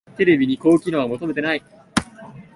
テレビに高機能は求めてない